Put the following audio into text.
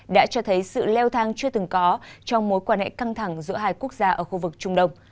đã cho thấy sự leo thang chưa từng có trong mối quan hệ căng thẳng giữa hai quốc gia ở khu vực trung đông